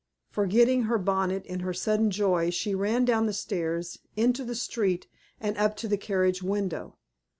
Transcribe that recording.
Forgetting her bonnet in her sudden joy, she ran down the stairs, into the street, and up to the carriage window.